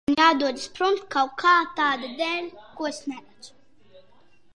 Man jādodas prom kaut kā tāda dēļ, ko es neredzu?